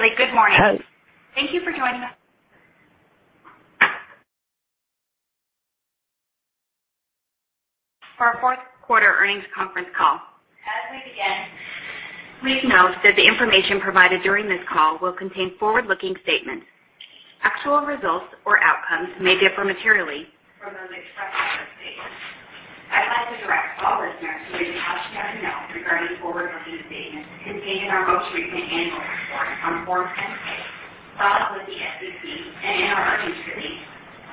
Thanks, Bailey. Good morning. Thank you for joining us for our fourth quarter earnings conference call. As we begin, please note that the information provided during this call will contain forward-looking statements. Actual results or outcomes may differ materially from those expressed in those statements. I'd like to direct all listeners to the cautionary note regarding forward-looking statements contained in our most recent annual report on Form 10-K filed with the SEC and in our earnings release,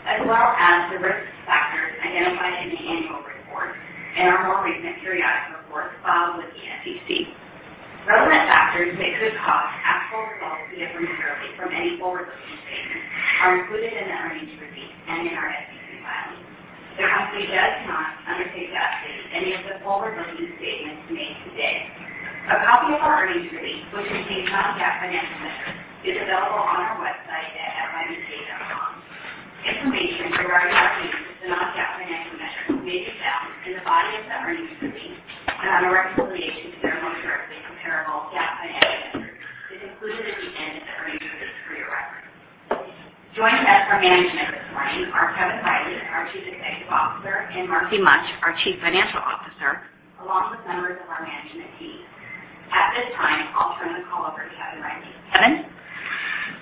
as well as the risk factors identified in the annual report and our more recent periodic report filed with the SEC. Relevant factors that could cause actual results to differ materially from any forward-looking statements are included in the earnings release and in our SEC filings. The company does not undertake to update any of the forward-looking statements made today. A copy of our earnings release, which contains non-GAAP financial measures, is available on our website at fibk.com. Information regarding our use of non-GAAP financial measures may be found in the body of the earnings release, and a reconciliation to their most directly comparable GAAP financial measures is included at the end of the earnings release for your reference. Joining us from management this morning are Kevin Riley, our Chief Executive Officer, and Marcy Mutch, our Chief Financial Officer, along with members of our management team. At this time, I'll turn the call over to Kevin Riley. Kevin?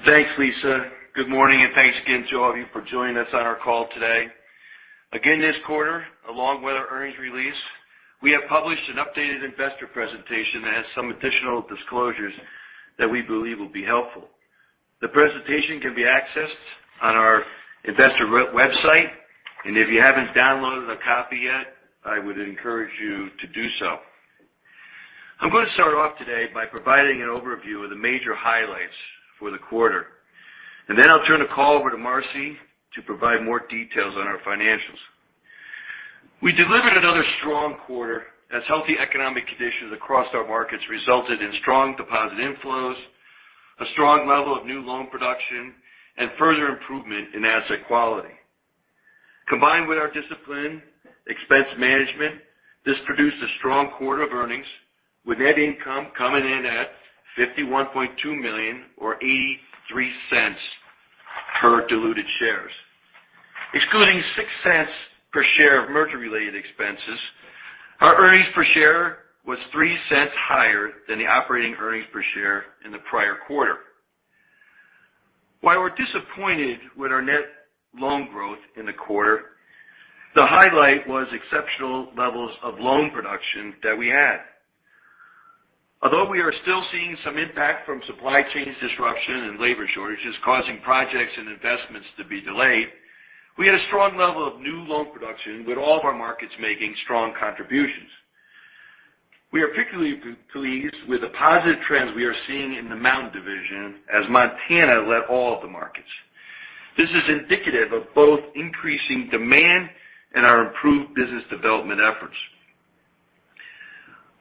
Thanks, Lisa. Good morning, and thanks again to all of you for joining us on our call today. Again, this quarter, along with our earnings release, we have published an updated investor presentation that has some additional disclosures that we believe will be helpful. The presentation can be accessed on our investor website, and if you haven't downloaded a copy yet, I would encourage you to do so. I'm gonna start off today by providing an overview of the major highlights for the quarter, and then I'll turn the call over to Marcy to provide more details on our financials. We delivered another strong quarter as healthy economic conditions across our markets resulted in strong deposit inflows, a strong level of new loan production, and further improvement in asset quality. Combined with our disciplined expense management, this produced a strong quarter of earnings, with net income coming in at $51.2 million or $0.83 per diluted share. Excluding $0.06 per share of merger related expenses, our earnings per share was $0.03 higher than the operating earnings per share in the prior quarter. While we're disappointed with our net loan growth in the quarter, the highlight was exceptional levels of loan production that we had. Although we are still seeing some impact from supply chain disruption and labor shortages causing projects and investments to be delayed, we had a strong level of new loan production, with all of our markets making strong contributions. We are particularly pleased with the positive trends we are seeing in the Mountain Division as Montana led all of the markets. This is indicative of both increasing demand and our improved business development efforts.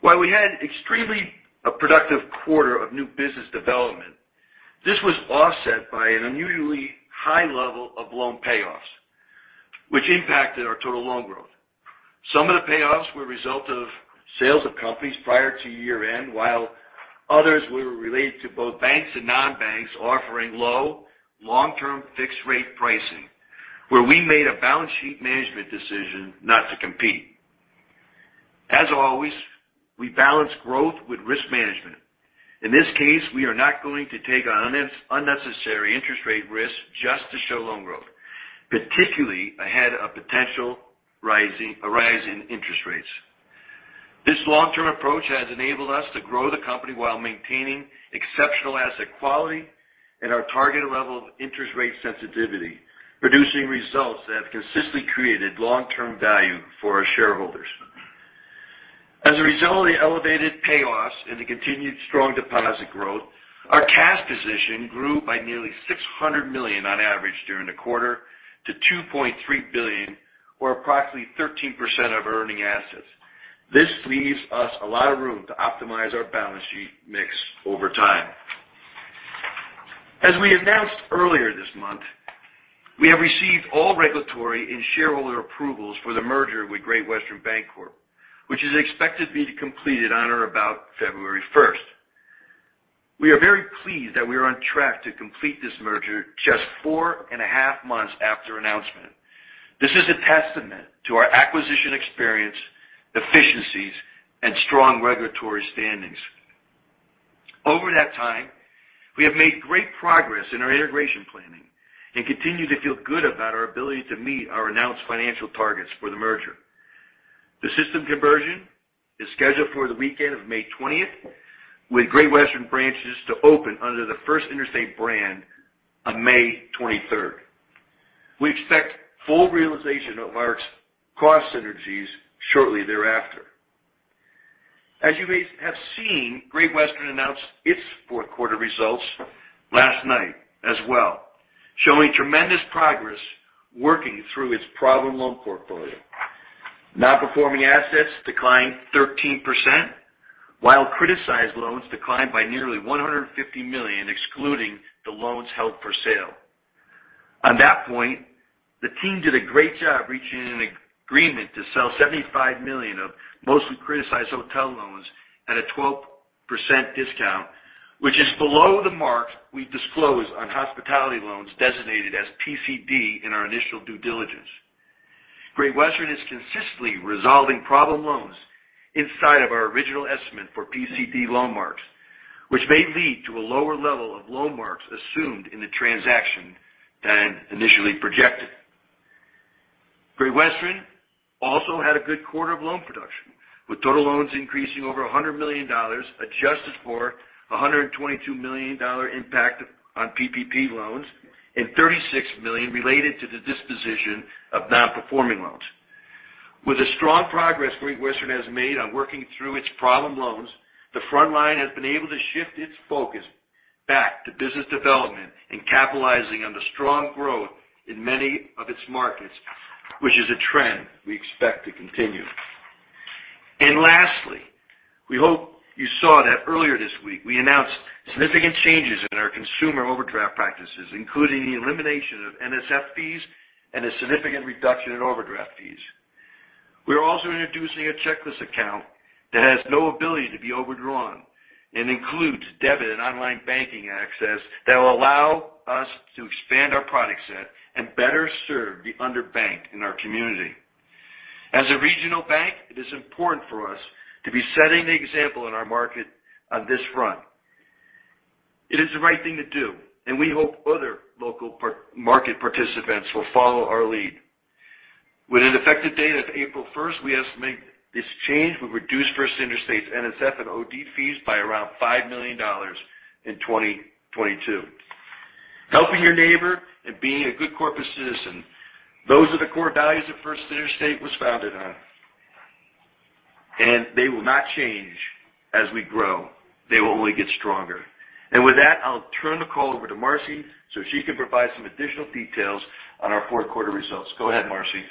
While we had extremely productive quarter of new business development, this was offset by an unusually high level of loan payoffs, which impacted our total loan growth. Some of the payoffs were a result of sales of companies prior to year-end, while others were related to both banks and non-banks offering low long-term fixed rate pricing, where we made a balance sheet management decision not to compete. As always, we balance growth with risk management. In this case, we are not going to take on unnecessary interest rate risk just to show loan growth, particularly ahead of potential a rise in interest rates. This long-term approach has enabled us to grow the company while maintaining exceptional asset quality and our targeted level of interest rate sensitivity, producing results that have consistently created long-term value for our shareholders. As a result of the elevated payoffs and the continued strong deposit growth, our cash position grew by nearly $600 million on average during the quarter to $2.3 billion, or approximately 13% of earning assets. This leaves us a lot of room to optimize our balance sheet mix over time. As we announced earlier this month, we have received all regulatory and shareholder approvals for the merger with Great Western Bancorp, which is expected to be completed on or about February 1st. We are very pleased that we are on track to complete this merger just four and a half months after announcement. This is a testament to our acquisition experience, efficiencies, and strong regulatory standings. Over that time, we have made great progress in our integration planning and continue to feel good about our ability to meet our announced financial targets for the merger. The system conversion is scheduled for the weekend of May 20th, with Great Western branches to open under the First Interstate brand on May 23rd. We expect full realization of our cost synergies shortly thereafter. As you may have seen, Great Western announced its fourth quarter results last night as well, showing tremendous progress working through its problem loan portfolio. Non-performing assets declined 13%, while criticized loans declined by nearly $150 million, excluding the loans held for sale. On that point, the team did a great job reaching an agreement to sell $75 million of mostly criticized hotel loans at a 12% discount, which is below the mark we disclosed on hospitality loans designated as PCD in our initial due diligence. Great Western is consistently resolving problem loans inside of our original estimate for PCD loan marks, which may lead to a lower level of loan marks assumed in the transaction than initially projected. Great Western also had a good quarter of loan production, with total loans increasing over $100 million, adjusted for a $122 million impact on PPP loans and $36 million related to the disposition of non-performing loans. With the strong progress Great Western has made on working through its problem loans, the front line has been able to shift its focus back to business development and capitalizing on the strong growth in many of its markets, which is a trend we expect to continue. Lastly, we hope you saw that earlier this week we announced significant changes in our consumer overdraft practices, including the elimination of NSF fees and a significant reduction in overdraft fees. We are also introducing a checkless account that has no ability to be overdrawn and includes debit and online banking access that will allow us to expand our product set and better serve the underbanked in our community. As a regional bank, it is important for us to be setting the example in our market on this front. It is the right thing to do, and we hope other local market participants will follow our lead. With an effective date of April 1st, we estimate this change will reduce First Interstate's NSF and OD fees by around $5 million in 2022. Helping your neighbor and being a good corporate citizen, those are the core values that First Interstate was founded on. They will not change as we grow. They will only get stronger. With that, I'll turn the call over to Marcy so she can provide some additional details on our fourth quarter results. Go ahead, Marcy.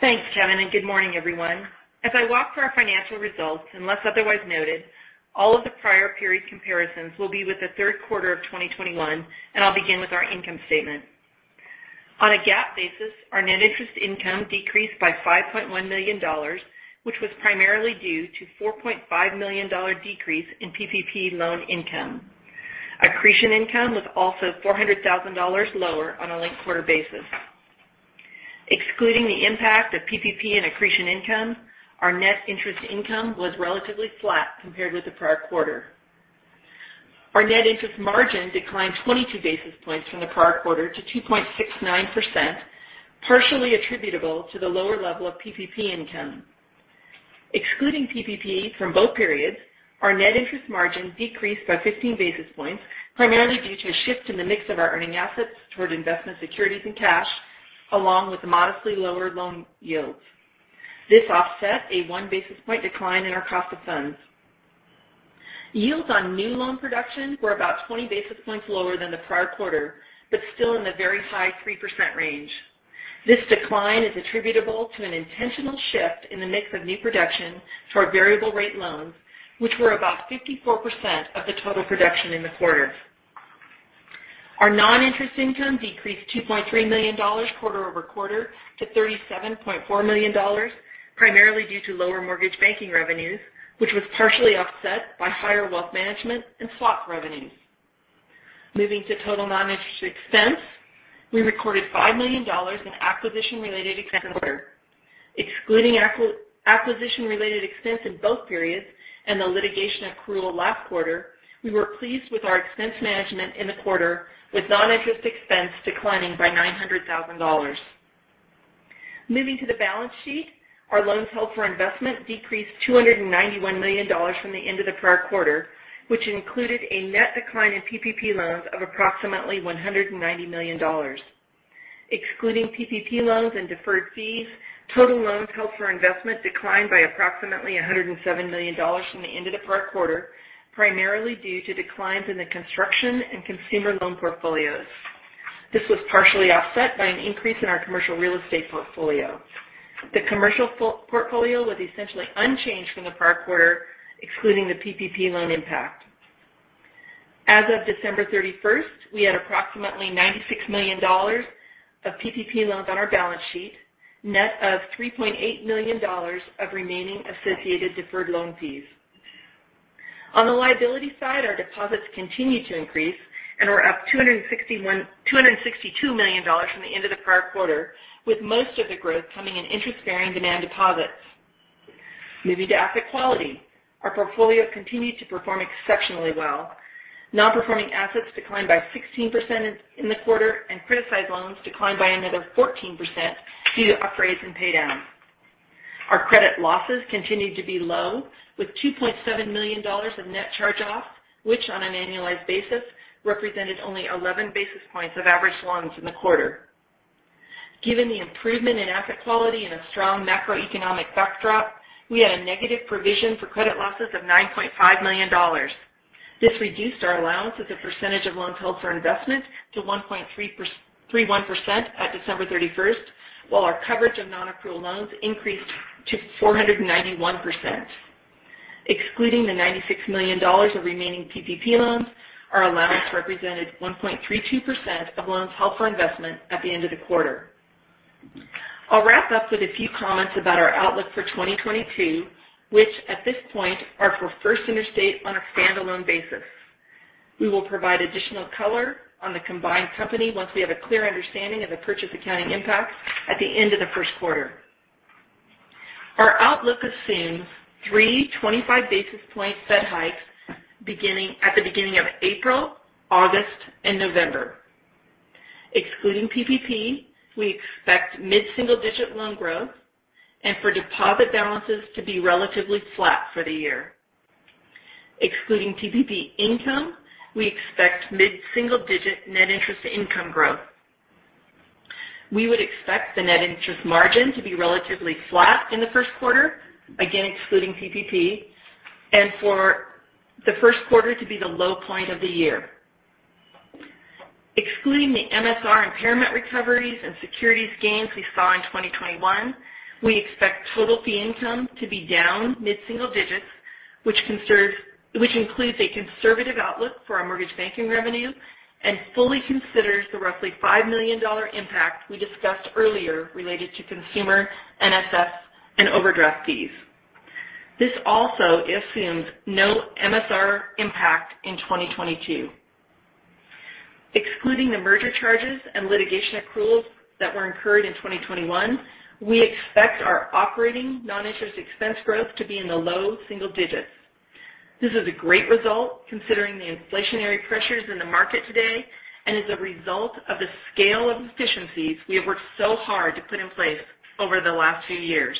Thanks, Kevin, and good morning, everyone. As I walk through our financial results, unless otherwise noted, all of the prior period comparisons will be with the third quarter of 2021, and I'll begin with our income statement. On a GAAP basis, our net interest income decreased by $5.1 million, which was primarily due to $4.5 million decrease in PPP loan income. Accretion income was also $400,000 lower on a linked quarter basis. Excluding the impact of PPP and accretion income, our net interest income was relatively flat compared with the prior quarter. Our net interest margin declined 22 basis points from the prior quarter to 2.69%, partially attributable to the lower level of PPP income. Excluding PPP from both periods, our net interest margin decreased by 15 basis points, primarily due to a shift in the mix of our earning assets toward investment securities and cash, along with modestly lower loan yields. This offset a 1 basis point decline in our cost of funds. Yields on new loan production were about 20 basis points lower than the prior quarter, but still in the very high 3% range. This decline is attributable to an intentional shift in the mix of new production toward variable rate loans, which were about 54% of the total production in the quarter. Our non-interest income decreased $2.3 million quarter-over-quarter to $37.4 million, primarily due to lower mortgage banking revenues, which was partially offset by higher wealth management and swap revenues. Moving to total non-interest expense, we recorded $5 million in acquisition-related expense in the quarter. Excluding acquisition-related expense in both periods and the litigation accrual last quarter, we were pleased with our expense management in the quarter, with non-interest expense declining by $900,000. Moving to the balance sheet, our loans held for investment decreased $291 million from the end of the prior quarter, which included a net decline in PPP loans of approximately $190 million. Excluding PPP loans and deferred fees, total loans held for investment declined by approximately $107 million from the end of the prior quarter, primarily due to declines in the construction and consumer loan portfolios. This was partially offset by an increase in our commercial real estate portfolio. The commercial portfolio was essentially unchanged from the prior quarter, excluding the PPP loan impact. As of December 31st, we had approximately $96 million of PPP loans on our balance sheet, net of $3.8 million of remaining associated deferred loan fees. On the liability side, our deposits continued to increase and were up $262 million from the end of the prior quarter, with most of the growth coming in interest-bearing demand deposits. Moving to asset quality. Our portfolio continued to perform exceptionally well. Non-performing assets declined by 16% in the quarter and criticized loans declined by another 14% due to upgrades and pay downs. Our credit losses continued to be low, with $2.7 million of net charge-offs, which on an annualized basis represented only 11 basis points of average loans in the quarter. Given the improvement in asset quality and a strong macroeconomic backdrop, we had a negative provision for credit losses of $9.5 million. This reduced our allowance as a percentage of loans held for investment to 1.31% at December 31st, while our coverage of non-accrual loans increased to 491%. Excluding the $96 million of remaining PPP loans, our allowance represented 1.32% of loans held for investment at the end of the quarter. I'll wrap up with a few comments about our outlook for 2022, which at this point are for First Interstate on a standalone basis. We will provide additional color on the combined company once we have a clear understanding of the purchase accounting impact at the end of the first quarter. Our outlook assumes three 25 basis point Fed hikes at the beginning of April, August, and November. Excluding PPP, we expect mid-single-digit loan growth and for deposit balances to be relatively flat for the year. Excluding PPP income, we expect mid-single-digit net interest income growth. We would expect the net interest margin to be relatively flat in the first quarter, again, excluding PPP, and for the first quarter to be the low point of the year. Excluding the MSR impairment recoveries and securities gains we saw in 2021, we expect total fee income to be down mid-single digits, which includes a conservative outlook for our mortgage banking revenue and fully considers the roughly $5 million impact we discussed earlier related to consumer, NSF, and overdraft fees. This also assumes no MSR impact in 2022. Excluding the merger charges and litigation accruals that were incurred in 2021, we expect our operating non-interest expense growth to be in the low single digits. This is a great result considering the inflationary pressures in the market today and is a result of the scale of efficiencies we have worked so hard to put in place over the last few years.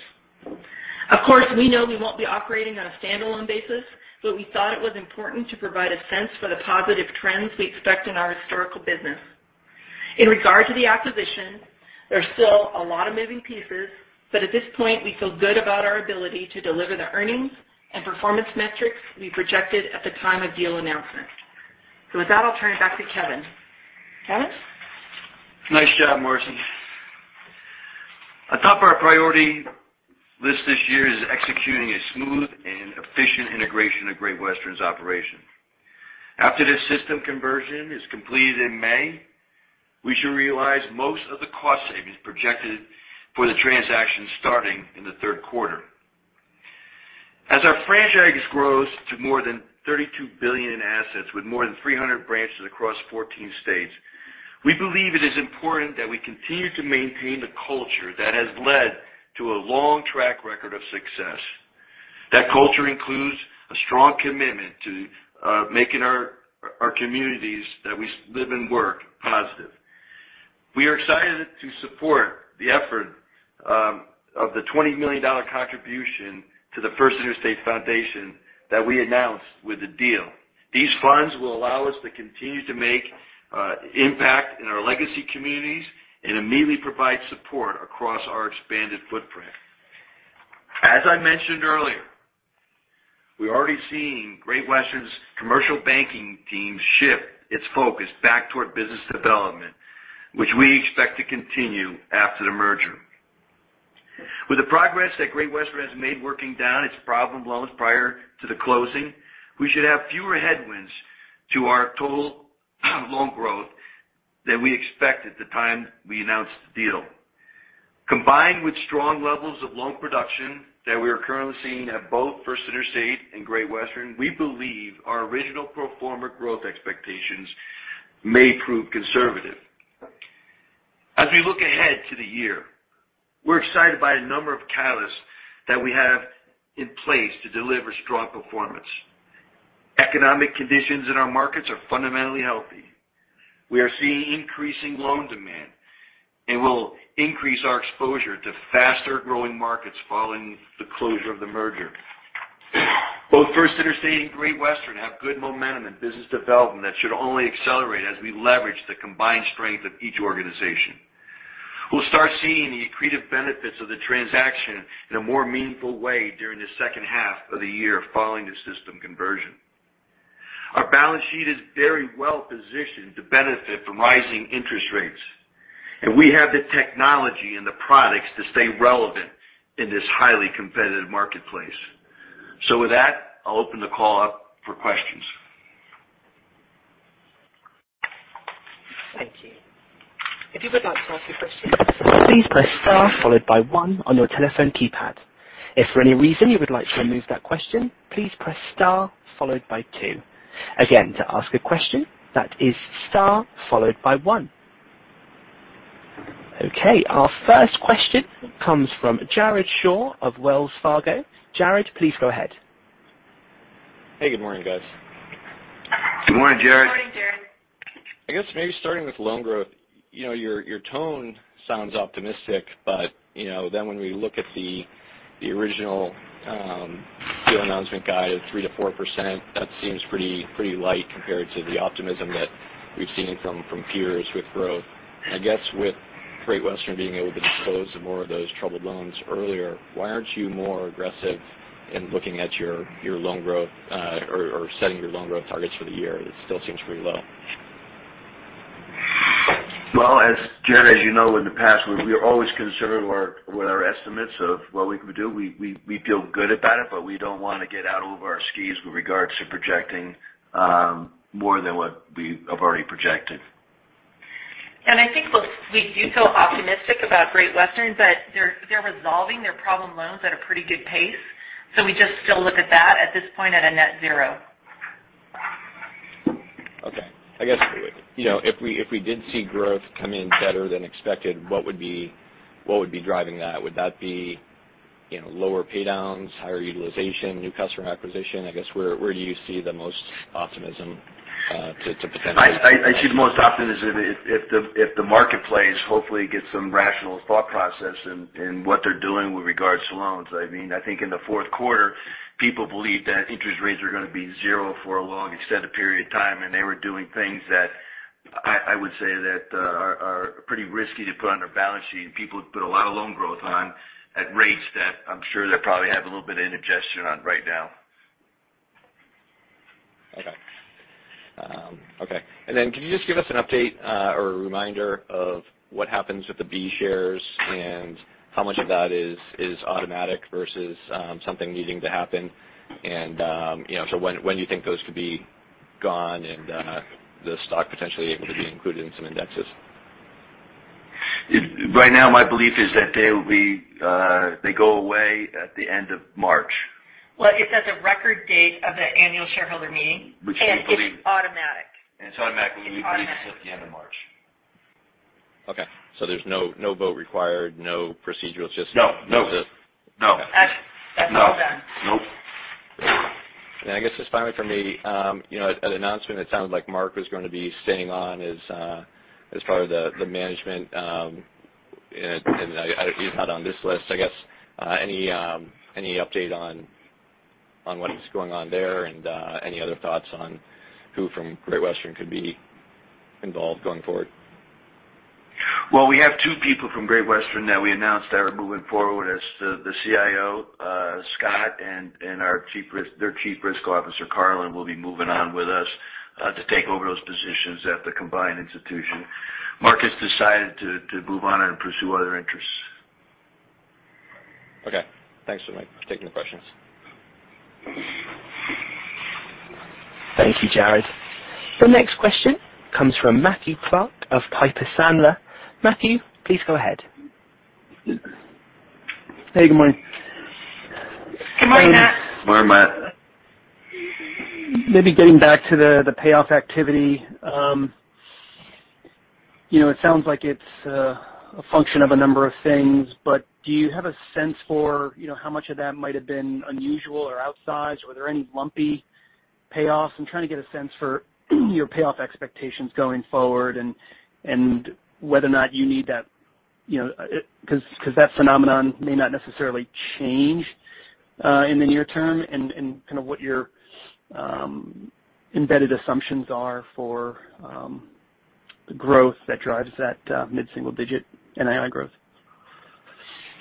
Of course, we know we won't be operating on a standalone basis, but we thought it was important to provide a sense for the positive trends we expect in our historical business. In regard to the acquisition, there's still a lot of moving pieces, but at this point, we feel good about our ability to deliver the earnings and performance metrics we projected at the time of deal announcement. With that, I'll turn it back to Kevin. Kevin? Nice job, Marcy. At the top of our priority list this year is executing a smooth and efficient integration of Great Western's operation. After the system conversion is completed in May, we should realize most of the cost savings projected for the transaction starting in the third quarter. As our franchise grows to more than $32 billion in assets with more than 300 branches across 14 states, we believe it is important that we continue to maintain the culture that has led to a long track record of success. That culture includes a strong commitment to making our communities that we live and work positive. We are excited to support the effort of the $20 million contribution to the First Interstate Foundation that we announced with the deal. These funds will allow us to continue to make impact in our legacy communities and immediately provide support across our expanded footprint. As I mentioned earlier, we're already seeing Great Western's commercial banking team shift its focus back toward business development, which we expect to continue after the merger. With the progress that Great Western has made working down its problem loans prior to the closing, we should have fewer headwinds to our total loan growth than we expected at the time we announced the deal. Combined with strong levels of loan production that we are currently seeing at both First Interstate and Great Western, we believe our original pro forma growth expectations may prove conservative. As we look ahead to the year, we're excited by a number of catalysts that we have in place to deliver strong performance. Economic conditions in our markets are fundamentally healthy. We are seeing increasing loan demand, and we'll increase our exposure to faster-growing markets following the closure of the merger. Both First Interstate and Great Western have good momentum in business development that should only accelerate as we leverage the combined strength of each organization. We'll start seeing the accretive benefits of the transaction in a more meaningful way during the second half of the year following the system conversion. Our balance sheet is very well positioned to benefit from rising interest rates, and we have the technology and the products to stay relevant in this highly competitive marketplace. With that, I'll open the call up for questions. Thank you. If you would like to ask a question, please press star followed by one on your telephone keypad. If for any reason you would like to remove that question, please press star followed by two. Again, to ask a question, that is star followed by one. Okay, our first question comes from Jared Shaw of Wells Fargo. Jared, please go ahead. Hey, good morning, guys. Good morning, Jared. Good morning, Jared. I guess maybe starting with loan growth, you know, your tone sounds optimistic, but, you know, then when we look at the original deal announcement guide of 3%-4%, that seems pretty light compared to the optimism that we've seen from peers with growth. I guess with Great Western being able to dispose of more of those troubled loans earlier, why aren't you more aggressive in looking at your loan growth or setting your loan growth targets for the year? It still seems pretty low. Well, as Jared Shaw, as you know, in the past, we are always concerned with our estimates of what we could do. We feel good about it, but we don't want to get out over our skis with regards to projecting more than what we have already projected. I think we do feel optimistic about Great Western, but they're resolving their problem loans at a pretty good pace. We just still look at that at this point at a net zero. Okay. I guess, you know, if we did see growth come in better than expected, what would be driving that? Would that be, you know, lower pay downs, higher utilization, new customer acquisition? I guess, where do you see the most optimism, to potentially- I see the most optimism if the marketplace hopefully gets some rational thought process in what they're doing with regards to loans. I mean, I think in the fourth quarter, people believed that interest rates were gonna be zero for a long extended period of time, and they were doing things that I would say that are pretty risky to put on their balance sheet. People put a lot of loan growth on at rates that I'm sure they probably have a little bit of indigestion on right now. Can you just give us an update, or a reminder of what happens with the B shares and how much of that is automatic versus something needing to happen? You know, so when do you think those could be gone and the stock potentially able to be included in some indexes? Right now, my belief is that they will be, they go away at the end of March. Well, it says a record date of the annual shareholder meeting. Which will be- It's automatic. It's automatically- It's automatic. At the end of March. Okay. There's no vote required, no procedural, it's just- No. No. Okay. That's all done. Nope. I guess just finally from me, you know, at announcement, it sounded like Mark was gonna be staying on as as part of the management. And he's not on this list. I guess, any update on what is going on there and any other thoughts on who from Great Western could be involved going forward? Well, we have two people from Great Western that we announced that are moving forward as the CIO, Scott and their Chief Risk Officer, Karlyn, will be moving on with us to take over those positions at the combined institution. Mark has decided to move on and pursue other interests. Okay. Thanks for taking the questions. Thank you, Jared. The next question comes from Matthew Clark of Piper Sandler. Matthew, please go ahead. Hey, good morning. Good morning, Matt. Good morning, Matt. Maybe getting back to the payoff activity. You know, it sounds like it's a function of a number of things, but do you have a sense for, you know, how much of that might have been unusual or outsized? Were there any lumpy payoffs? I'm trying to get a sense for your payoff expectations going forward and whether or not you need that, you know, because that phenomenon may not necessarily change in the near term and kind of what your embedded assumptions are for the growth that drives that mid-single digit NII growth.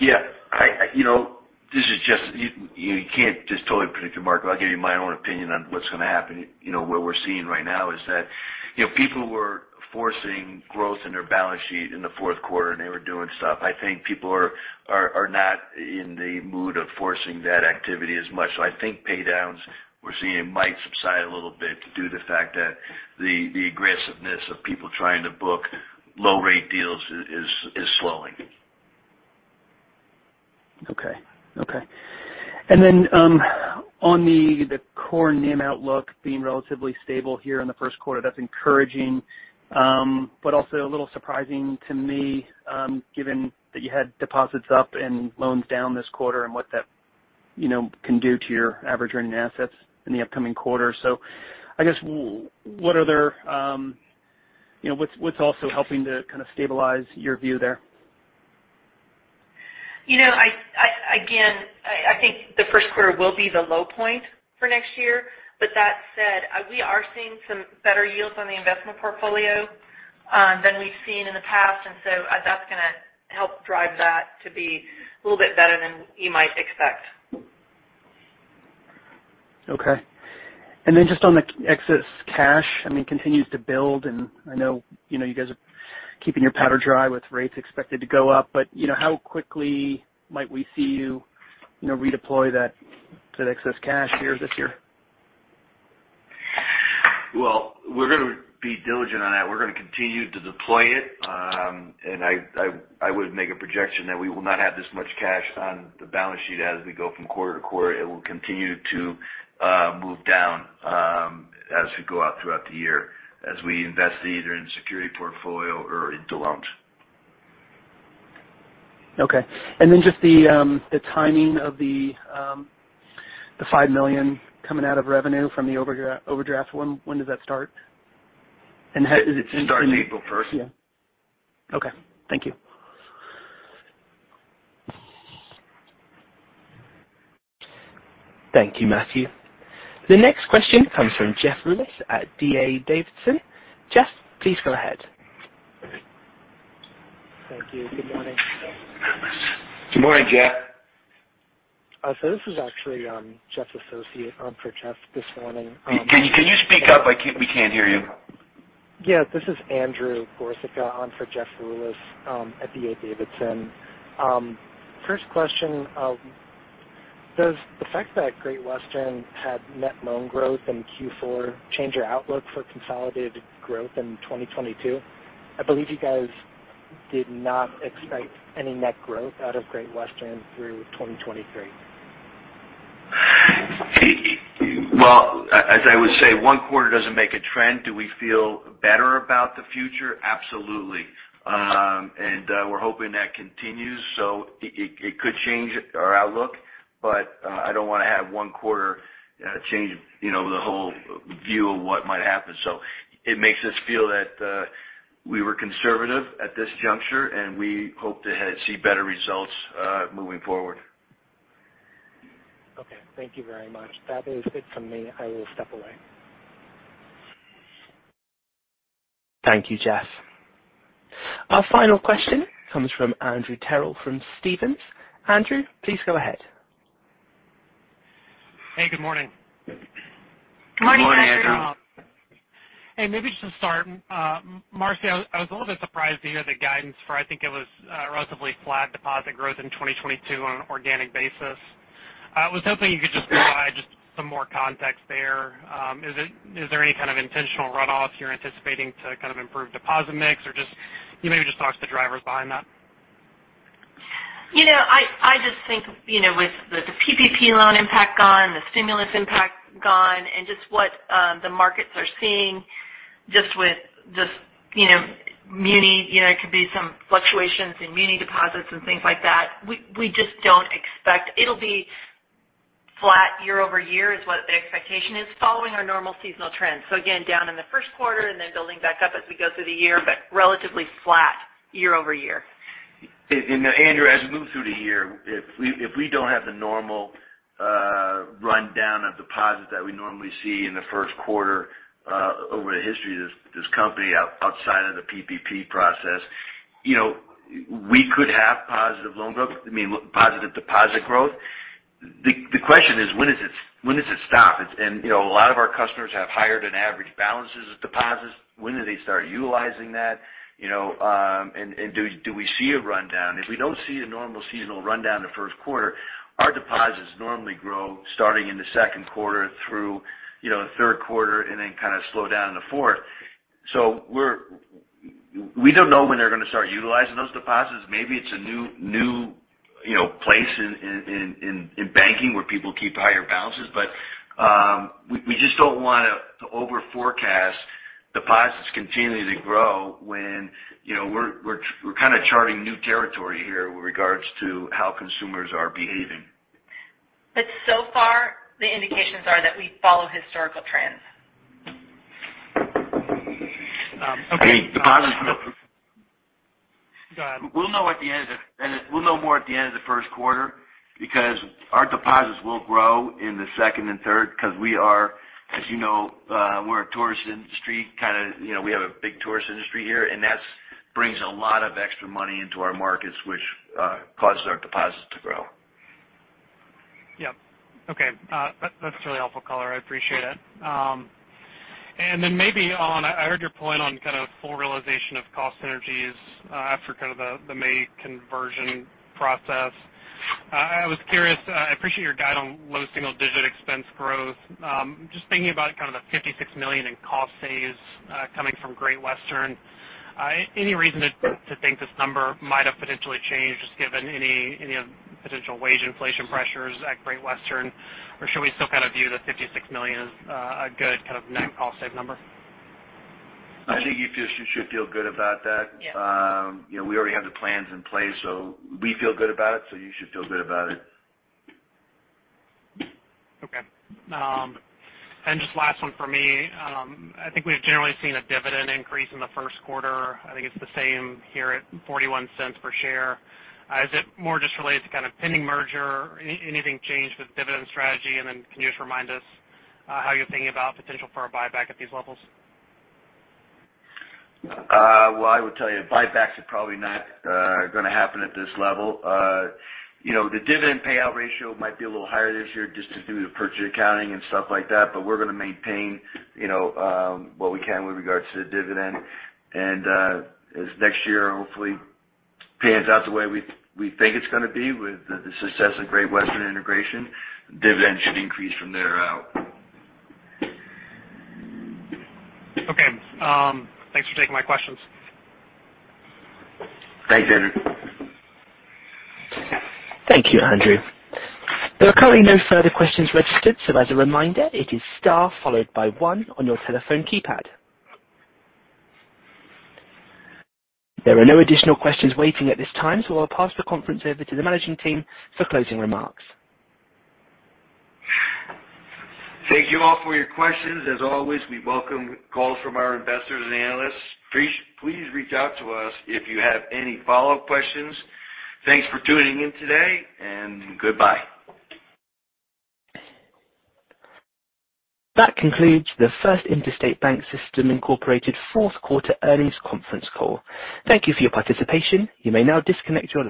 Yeah. I you know, you can't just totally predict the market. I'll give you my own opinion on what's gonna happen. You know, what we're seeing right now is that, you know, people were forcing growth in their balance sheet in the fourth quarter, and they were doing stuff. I think people are not in the mood of forcing that activity as much. I think pay downs we're seeing might subside a little bit due to the fact that the aggressiveness of people trying to book low rate deals is slowing. Okay. Then on the core NIM outlook being relatively stable here in the first quarter, that's encouraging, but also a little surprising to me, given that you had deposits up and loans down this quarter and what that you know can do to your average earning assets in the upcoming quarter. I guess what other you know what's also helping to kind of stabilize your view there? You know, again, I think the first quarter will be the low point for next year. That said, we are seeing some better yields on the investment portfolio than we've seen in the past. That's gonna help drive that to be a little bit better than you might expect. Okay. Just on the excess cash, I mean, it continues to build, and I know, you know, you guys are keeping your powder dry with rates expected to go up. You know, how quickly might we see you know, redeploy that excess cash here this year? Well, we're gonna be diligent on that. We're gonna continue to deploy it. I would make a projection that we will not have this much cash on the balance sheet as we go from quarter to quarter. It will continue to move down as we go out throughout the year, as we invest either in securities portfolio or into loans. Okay. Then just the timing of the $5 million coming out of revenue from the overdraft, when does that start? And is it- It starts April 1st. Yeah. Okay. Thank you. Thank you, Matthew. The next question comes from Jeff Rulis at D.A. Davidson. Jeff, please go ahead. Thank you. Good morning. Good morning, Jeff. This is actually Jeff's associate on for Jeff this morning. Can you speak up? We can't hear you. Yeah, this is Andrew Gorczyca on for Jeff Rulis at D.A. Davidson. First question, does the fact that Great Western had net loan growth in Q4 change your outlook for consolidated growth in 2022? I believe you guys did not expect any net growth out of Great Western through 2023. Well, as I would say, one quarter doesn't make a trend. Do we feel better about the future? Absolutely. We're hoping that continues, so it could change our outlook, but I don't wanna have one quarter change, you know, the whole view of what might happen. It makes us feel that we were conservative at this juncture, and we hope to see better results moving forward. Okay. Thank you very much. That is it from me. I will step away. Thank you, Jeff. Our final question comes from Andrew Terrell from Stephens. Andrew, please go ahead. Hey, good morning. Good morning, Andrew. Hey, maybe just to start, Marcy, I was a little bit surprised to hear the guidance for, I think it was, relatively flat deposit growth in 2022 on an organic basis. I was hoping you could just provide some more context there. Is there any kind of intentional runoff you're anticipating to kind of improve deposit mix or just can you maybe just talk to the drivers behind that? You know, I just think, you know, with the PPP loan impact gone, the stimulus impact gone, and just what the markets are seeing just with this, you know, muni, you know, it could be some fluctuations in muni deposits and things like that. We just don't expect. It'll be flat year-over-year is what the expectation is following our normal seasonal trends. Again, down in the first quarter and then building back up as we go through the year, but relatively flat year-over-year. Andrew, as we move through the year, if we don't have the normal rundown of deposits that we normally see in the first quarter, over the history of this company outside of the PPP process, you know, we could have positive loan growth. I mean, positive deposit growth. The question is when does it stop? It's you know, a lot of our customers have higher than average balances of deposits. When do they start utilizing that? You know, do we see a rundown? If we don't see a normal seasonal rundown in the first quarter, our deposits normally grow starting in the second quarter through the third quarter and then kind of slow down in the fourth. We don't know when they're gonna start utilizing those deposits. Maybe it's a new, you know, place in banking where people keep higher balances. We just don't wanna over forecast deposits continuing to grow when, you know, we're kinda charting new territory here with regards to how consumers are behaving. So far, the indications are that we follow historical trends. Okay. I mean, deposits. Go ahead. We'll know more at the end of the first quarter because our deposits will grow in the second and third because we are, as you know, we're a tourist industry, kinda, you know, we have a big tourist industry here, and that brings a lot of extra money into our markets, which causes our deposits to grow. Yeah. Okay. That's really helpful color. I appreciate it. I heard your point on kind of full realization of cost synergies after kind of the May conversion process. I was curious. I appreciate your guidance on low single-digit expense growth. Just thinking about kind of the $56 million in cost savings coming from Great Western. Any reason to think this number might have potentially changed just given any of potential wage inflation pressures at Great Western? Or should we still kind of view the $56 million as a good kind of net cost savings number? I think you should feel good about that. Yeah. You know, we already have the plans in place, so we feel good about it, so you should feel good about it. Okay. Just last one for me. I think we've generally seen a dividend increase in the first quarter. I think it's the same here at $0.41 per share. Is it more just related to kind of pending merger? Anything changed with dividend strategy? Can you just remind us how you're thinking about potential for a buyback at these levels? Well, I would tell you buybacks are probably not gonna happen at this level. You know, the dividend payout ratio might be a little higher this year just due to the purchase accounting and stuff like that, but we're gonna maintain, you know, what we can with regards to the dividend. As next year, hopefully pans out the way we think it's gonna be with the success of Great Western integration, dividend should increase from there out. Okay. Thanks for taking my questions. Thanks, Andrew. Thank you, Andrew. There are currently no further questions registered, so as a reminder, it is star followed by one on your telephone keypad. There are no additional questions waiting at this time, so I'll pass the conference over to the managing team for closing remarks. Thank you all for your questions. As always, we welcome calls from our investors and analysts. Please reach out to us if you have any follow-up questions. Thanks for tuning in today and goodbye. That concludes the First Interstate BancSystem Incorporated fourth quarter earnings conference call. Thank you for your participation. You may now disconnect your line.